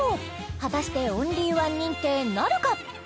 果たしてオンリーワン認定なるか？